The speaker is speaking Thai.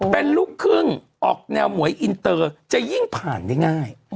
เป็นลูกครึ่งออกแนวหวยอินเตอร์จะยิ่งผ่านได้ง่าย